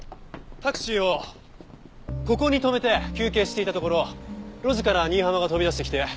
タクシーをここに止めて休憩していたところ路地から新浜が飛び出してきて。